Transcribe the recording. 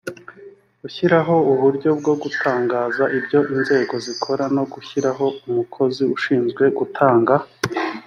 gushyiraho uburyo bwo gutangaza ibyo inzego zikora no gushyiraho umukozi ushinzwe gutanga